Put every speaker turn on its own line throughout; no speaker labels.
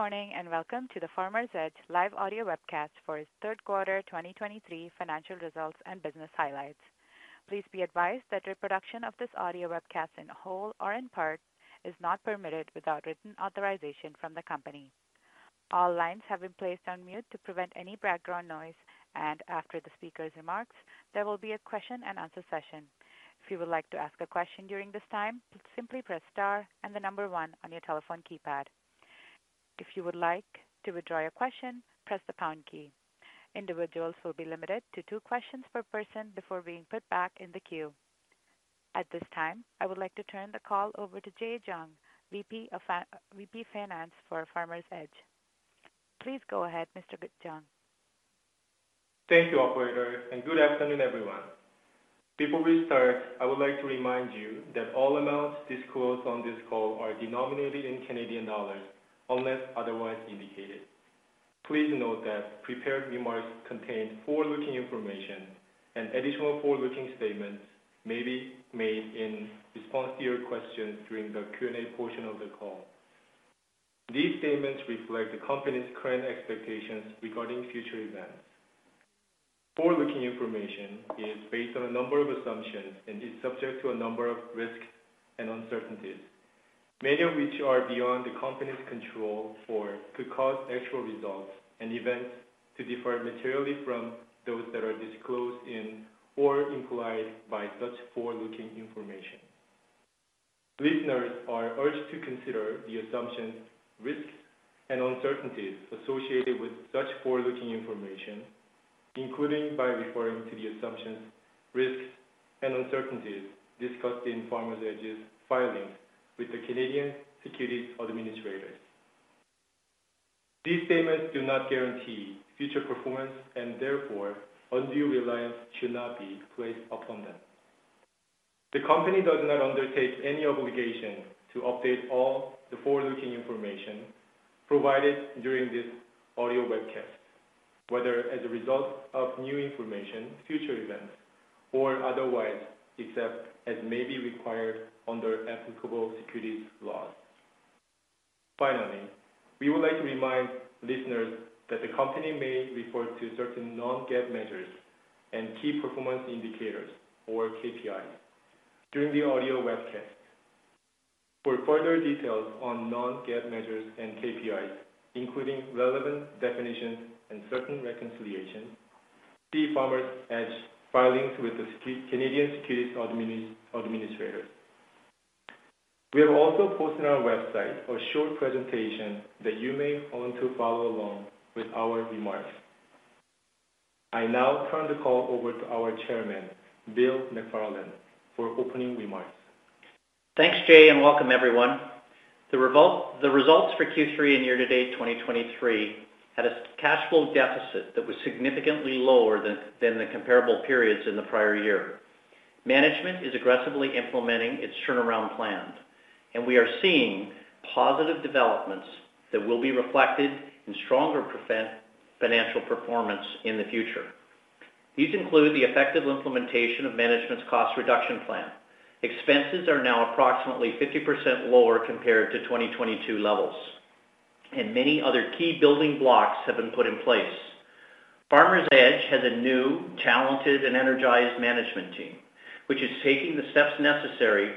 Good morning, and welcome to the Farmers Edge live audio webcast for its third quarter 2023 financial results and business highlights. Please be advised that reproduction of this audio webcast in whole or in part is not permitted without written authorization from the company. All lines have been placed on mute to prevent any background noise, and after the speaker's remarks, there will be a question-and-answer session. If you would like to ask a question during this time, please simply press Star and the number one on your telephone keypad. If you would like to withdraw your question, press the pound key. Individuals will be limited to two questions per person before being put back in the queue. At this time, I would like to turn the call over to Jay Jung, VP Finance for Farmers Edge. Please go ahead, Mr. Jung.
Thank you, Operator, and good afternoon, everyone. Before we start, I would like to remind you that all amounts disclosed on this call are denominated in Canadian dollars, unless otherwise indicated. Please note that prepared remarks contain Forward-Looking Information, and additional forward-looking statements may be made in response to your questions during the Q&A portion of the call. These statements reflect the company's current expectations regarding future events. Forward-Looking Information is based on a number of assumptions and is subject to a number of risks and uncertainties, many of which are beyond the company's control or could cause actual results and events to differ materially from those that are disclosed in or implied by such Forward-Looking Information. Listeners are urged to consider the assumptions, risks, and uncertainties associated with such forward-looking information, including by referring to the assumptions, risks, and uncertainties discussed in Farmers Edge's filings with the Canadian Securities Administrators. These statements do not guarantee future performance, and therefore undue reliance should not be placed upon them. The company does not undertake any obligation to update all the forward-looking information provided during this audio webcast, whether as a result of new information, future events, or otherwise, except as may be required under applicable securities laws. Finally, we would like to remind listeners that the company may refer to certain non-GAAP measures and key performance indicators, or KPIs, during the audio webcast. For further details on non-GAAP measures and KPIs, including relevant definitions and certain reconciliation, see Farmers Edge filings with the Canadian Securities Administrators. We have also posted on our website a short presentation that you may want to follow along with our remarks. I now turn the call over to our Chairman, Bill McFarland, for opening remarks.
Thanks, Jay, and welcome everyone. The results for Q3 and year-to-date 2023 had a cash flow deficit that was significantly lower than the comparable periods in the prior year. Management is aggressively implementing its turnaround plan, and we are seeing positive developments that will be reflected in stronger financial performance in the future. These include the effective implementation of management's cost reduction plan. Expenses are now approximately 50% lower compared to 2022 levels, and many other key building blocks have been put in place. Farmers Edge has a new, talented, and energized management team, which is taking the steps necessary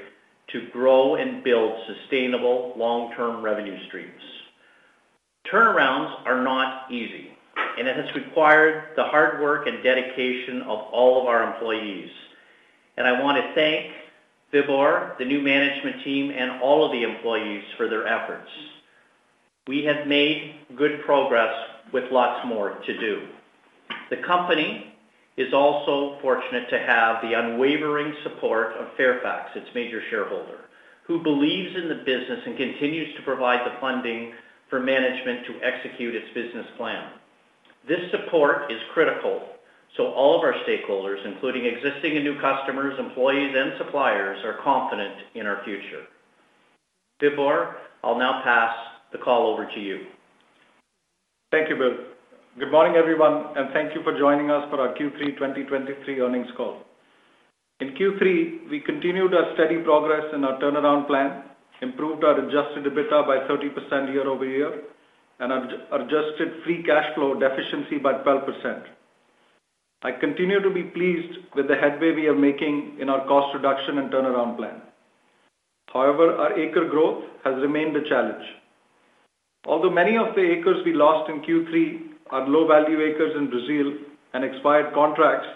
to grow and build sustainable long-term revenue streams. Turnarounds are not easy, and it has required the hard work and dedication of all of our employees. I want to thank Vibhore, the new management team, and all of the employees for their efforts. We have made good progress with lots more to do. The company is also fortunate to have the unwavering support of Fairfax, its major shareholder, who believes in the business and continues to provide the funding for management to execute its business plan. This support is critical, so all of our stakeholders, including existing and new customers, employees, and suppliers, are confident in our future. Vibhore, I'll now pass the call over to you.
Thank you, Bill. Good morning, everyone, and thank you for joining us for our Q3 2023 earnings call. In Q3, we continued our steady progress in our turnaround plan, improved our adjusted EBITDA by 30% year-over-year, and adjusted free cash flow deficiency by 12%. I continue to be pleased with the headway we are making in our cost reduction and turnaround plan. However, our acre growth has remained a challenge. Although many of the acres we lost in Q3 are low-value acres in Brazil and expired contracts,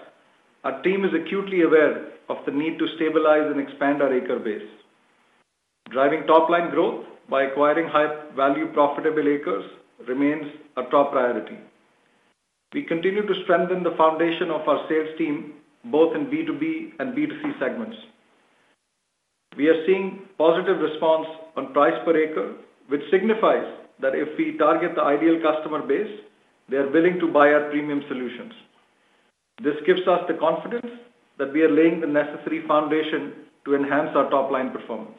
our team is acutely aware of the need to stabilize and expand our acre base. Driving top-line growth by acquiring high-value, profitable acres remains a top priority. We continue to strengthen the foundation of our sales team, both in B2B and B2C segments. We are seeing positive response on Price Per Acre, which signifies that if we target the ideal customer base, they are willing to buy our premium solutions. This gives us the confidence that we are laying the necessary foundation to enhance our top-line performance.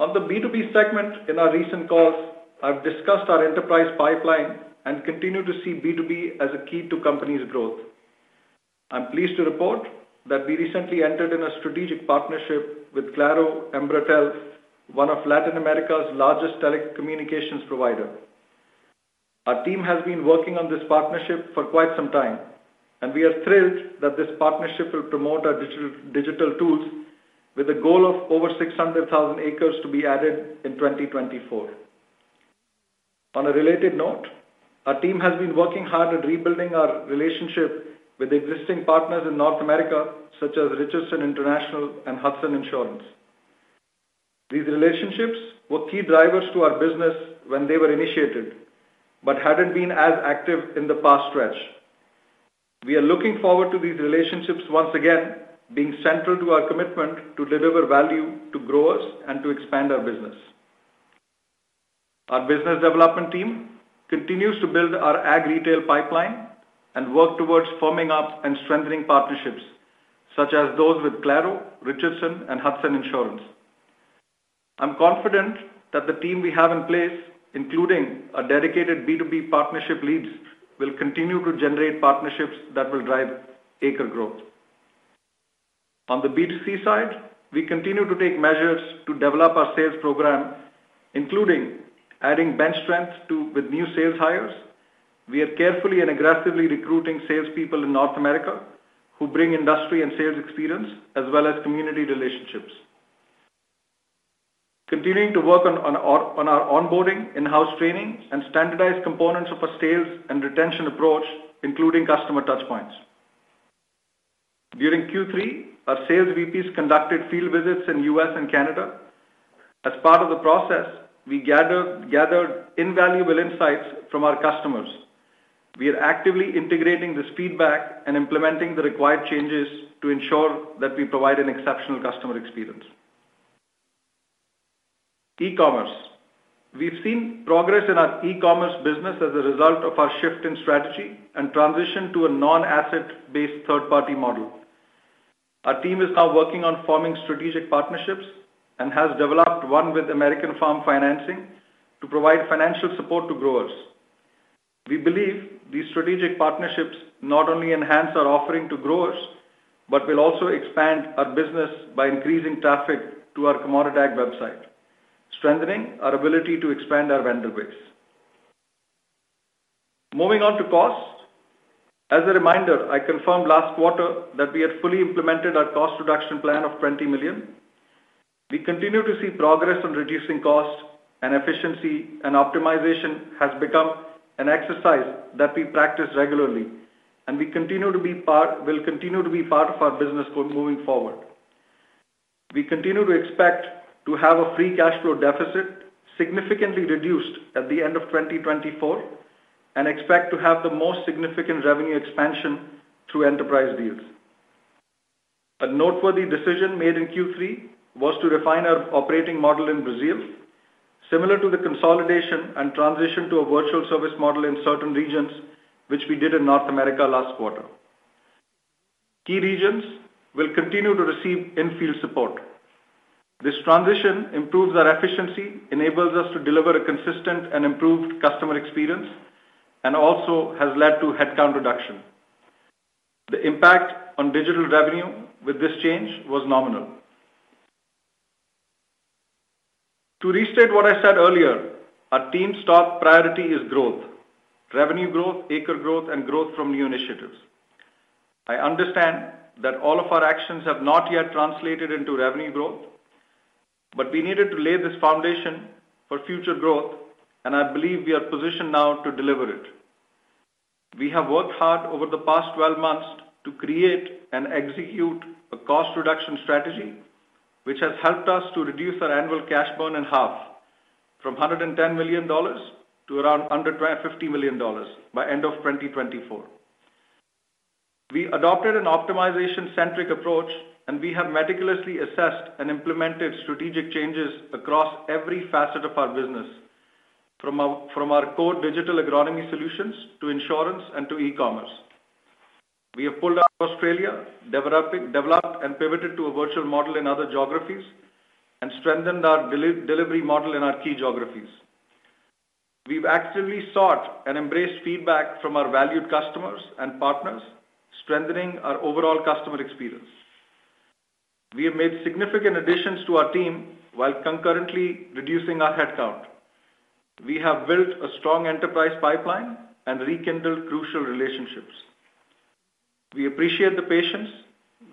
On the B2B segment, in our recent calls, I've discussed our enterprise pipeline and continue to see B2B as a key to company's growth....
I'm pleased to report that we recently entered in a strategic partnership with Claro Embratel, one of Latin America's largest telecommunications provider. Our team has been working on this partnership for quite some time, and we are thrilled that this partnership will promote our digital, digital tools with a goal of over 600,000 acres to be added in 2024. On a related note, our team has been working hard at rebuilding our relationship with existing partners in North America, such as Richardson International and Hudson Insurance. These relationships were key drivers to our business when they were initiated, but hadn't been as active in the past stretch. We are looking forward to these relationships once again, being central to our commitment to deliver value to growers and to expand our business. Our business development team continues to build our ag retail pipeline and work towards forming up and strengthening partnerships, such as those with Claro, Richardson, and Hudson Insurance. I'm confident that the team we have in place, including our dedicated B2B partnership leads, will continue to generate partnerships that will drive acre growth. On the B2C side, we continue to take measures to develop our sales program, including adding bench strength with new sales hires. We are carefully and aggressively recruiting salespeople in North America who bring industry and sales experience, as well as community relationships. Continuing to work on our onboarding, in-house training, and standardized components of our sales and retention approach, including customer touchpoints. During Q3, our sales VPs conducted field visits in U.S. and Canada. As part of the process, we gathered invaluable insights from our customers. We are actively integrating this feedback and implementing the required changes to ensure that we provide an exceptional customer experience. E-commerce. We've seen progress in our e-commerce business as a result of our shift in strategy and transition to a non-asset-based third-party model. Our team is now working on forming strategic partnerships and has developed one with American Farm Financing to provide financial support to growers. We believe these strategic partnerships not only enhance our offering to growers, but will also expand our business by increasing traffic to our CommoditAg website, strengthening our ability to expand our vendor base. Moving on to costs. As a reminder, I confirmed last quarter that we had fully implemented our cost reduction plan of 20 million. We continue to see progress on reducing costs, and efficiency and optimization has become an exercise that we practice regularly, and we will continue to be part of our business going forward. We continue to expect to have a free cash flow deficit significantly reduced at the end of 2024, and expect to have the most significant revenue expansion through enterprise deals. A noteworthy decision made in Q3 was to refine our operating model in Brazil, similar to the consolidation and transition to a virtual service model in certain regions, which we did in North America last quarter. Key regions will continue to receive in-field support. This transition improves our efficiency, enables us to deliver a consistent and improved customer experience, and also has led to headcount reduction. The impact on digital revenue with this change was nominal. To restate what I said earlier, our team's top priority is growth, revenue growth, acre growth, and growth from new initiatives. I understand that all of our actions have not yet translated into revenue growth, but we needed to lay this foundation for future growth, and I believe we are positioned now to deliver it. We have worked hard over the past 12 months to create and execute a cost reduction strategy, which has helped us to reduce our annual cash burn in half, from 110 million dollars to around under 50 million dollars by end of 2024. We adopted an optimization-centric approach, and we have meticulously assessed and implemented strategic changes across every facet of our business, from our core Digital Agronomy solutions to insurance and to e-commerce. We have pulled out Australia, developed and pivoted to a virtual model in other geographies and strengthened our delivery model in our key geographies. We've actively sought and embraced feedback from our valued customers and partners, strengthening our overall customer experience. We have made significant additions to our team while concurrently reducing our headcount. We have built a strong enterprise pipeline and rekindled crucial relationships. We appreciate the patience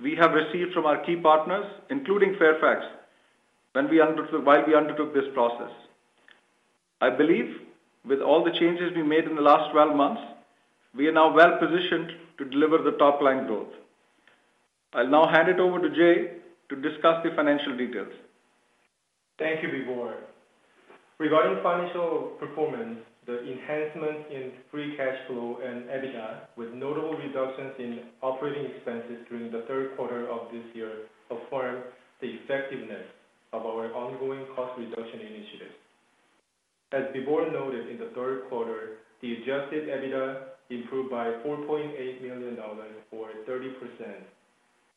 we have received from our key partners, including Fairfax, while we undertook this process. I believe with all the changes we made in the last 12 months, we are now well positioned to deliver the top-line growth. I'll now hand it over to Jay to discuss the financial details.
Thank you, Vibhore. Regarding financial performance, the enhancement in free cash flow and EBITDA, with notable reductions in operating expenses during the third quarter of this year, affirmed the effectiveness of our ongoing cost reduction initiatives. As Vibhore noted, in the third quarter, the adjusted EBITDA improved by 4.8 million dollars, or 30%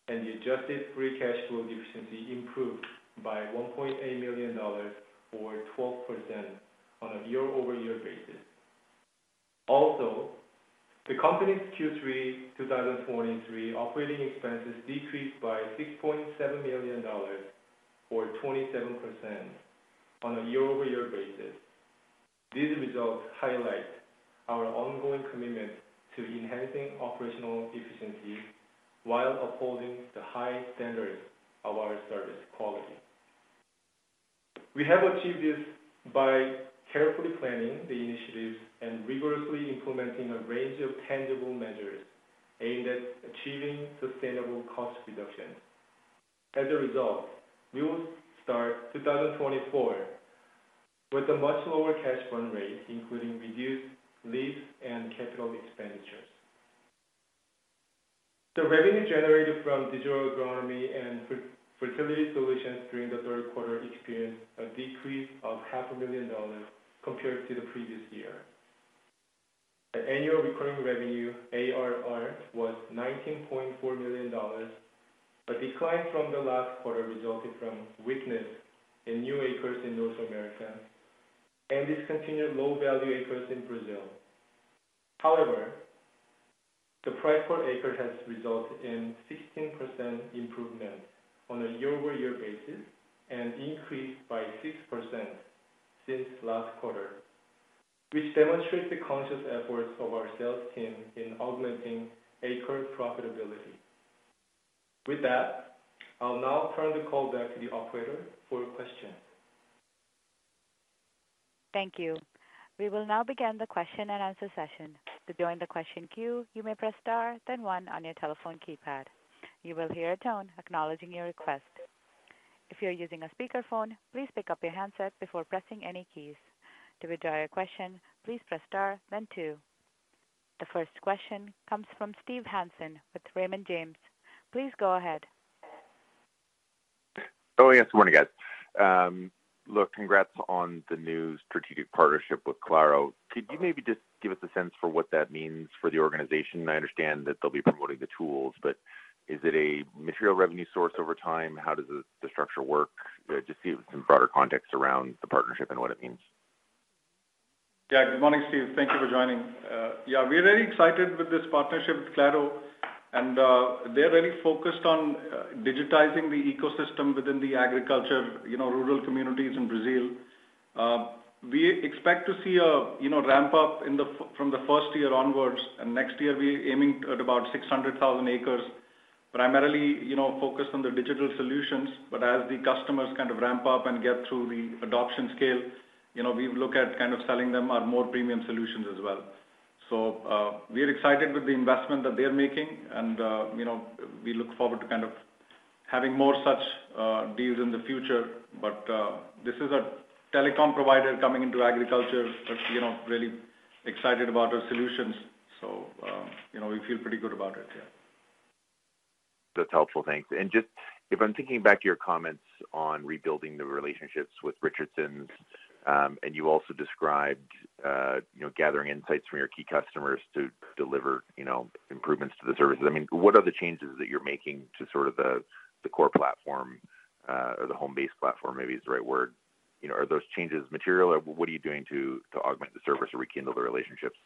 and the adjusted free cash flow deficiency improved by 1.8 million dollars or 12% on a year-over-year basis. Also, the company's Q3 2023 operating expenses decreased by 6.7 million dollars, or 27% on a year-over-year basis. These results highlight our ongoing commitment to enhancing operational efficiency while upholding the high standards of our service quality. We have achieved this by carefully planning the initiatives and rigorously implementing a range of tangible measures aimed at achieving sustainable cost reductions. As a result, we will start 2024 with a much lower cash burn rate, including reduced lease and capital expenditures. The revenue generated from Digital Agronomy and fertility solutions during the third quarter experienced a decrease of 500,000 dollars compared to the previous year. The annual recurring revenue, ARR, was 19.4 million dollars. A decline from the last quarter resulted from weakness in new acres in North America and discontinued low-value acres in Brazil. However, the Price per Acre has resulted in 16% improvement on a year-over-year basis and increased by 6% since last quarter, which demonstrates the conscious efforts of our sales team in augmenting acre profitability. With that, I'll now turn the call back to the operator for questions.
Thank you. We will now begin the question-and-answer session. To join the question queue, you may press star, then one on your telephone keypad. You will hear a tone acknowledging your request. If you are using a speakerphone, please pick up your handset before pressing any keys. To withdraw your question, please press star, then two. The first question comes from Steve Hansen with Raymond James. Please go ahead.
Oh, yes, good morning, guys. Look, congrats on the new strategic partnership with Claro. Could you maybe just give us a sense for what that means for the organization? I understand that they'll be promoting the tools, but is it a material revenue source over time? How does the structure work? Just give some broader context around the partnership and what it means.
Yeah. Good morning, Steve. Thank you for joining. Yeah, we're very excited with this partnership with Claro, and they're very focused on digitizing the ecosystem within the agriculture, you know, rural communities in Brazil. We expect to see a, you know, ramp up in from the first year onwards. And next year we're aiming at about 600,000 acres, primarily, you know, focused on the digital solutions. But as the customers kind of ramp up and get through the adoption scale, you know, we look at kind of selling them our more premium solutions as well. So, we are excited with the investment that they're making and, you know, we look forward to kind of having more such deals in the future. But this is a telecom provider coming into agriculture, but, you know, really excited about our solutions. You know, we feel pretty good about it, yeah.
That's helpful. Thanks. And just if I'm thinking back to your comments on rebuilding the relationships with Richardson's, and you also described, you know, gathering insights from your key customers to deliver, you know, improvements to the services. I mean, what are the changes that you're making to sort of the, the core platform, or the home base platform, maybe is the right word? You know, are those changes material, or what are you doing to, to augment the service or rekindle the relationships?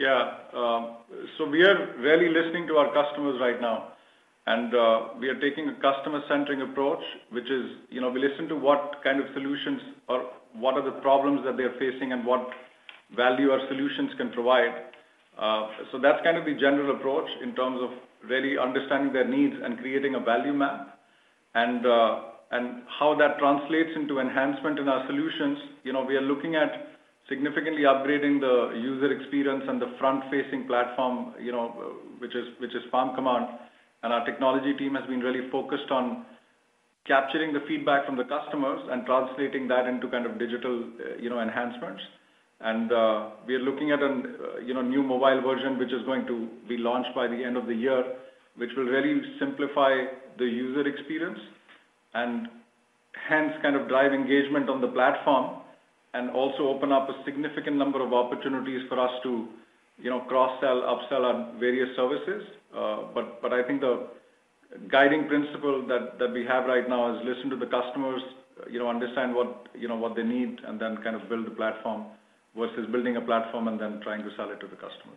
Yeah. So we are really listening to our customers right now, and we are taking a customer-centering approach, which is, you know, we listen to what kind of solutions or what are the problems that they are facing and what value our solutions can provide. So that's kind of the general approach in terms of really understanding their needs and creating a value map and how that translates into enhancement in our solutions. You know, we are looking at significantly upgrading the user experience and the front-facing platform, you know, which is FarmCommand. And our technology team has been really focused on capturing the feedback from the customers and translating that into kind of digital, you know, enhancements. We are looking at an, you know, new mobile version, which is going to be launched by the end of the year, which will really simplify the user experience and hence kind of drive engagement on the platform. Also open up a significant number of opportunities for us to, you know, cross-sell, upsell our various services. But I think the guiding principle that we have right now is listen to the customers, you know, understand what, you know, what they need, and then kind of build a platform, versus building a platform and then trying to sell it to the customer.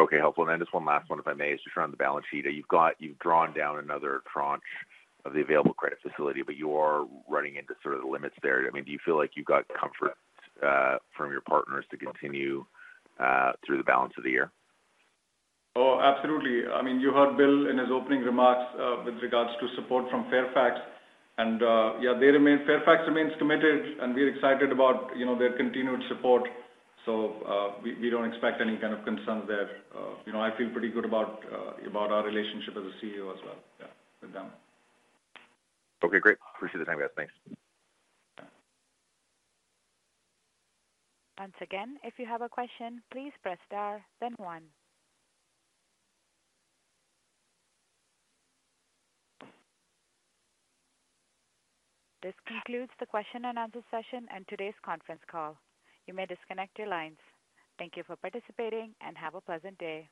Okay, helpful. And then just one last one, if I may. Just around the balance sheet. You've drawn down another tranche of the available credit facility, but you are running into sort of the limits there. I mean, do you feel like you've got comfort from your partners to continue through the balance of the year?
Oh, absolutely. I mean, you heard Bill in his opening remarks with regards to support from Fairfax, and yeah, they remain... Fairfax remains committed, and we're excited about, you know, their continued support. So, we don't expect any kind of concerns there. You know, I feel pretty good about our relationship as a CEO as well, yeah, with them.
Okay, great. Appreciate the time, guys. Thanks.
Once again, if you have a question, please press star, then one. This concludes the question-and-answer session and today's conference call. You may disconnect your lines. Thank you for participating, and have a pleasant day.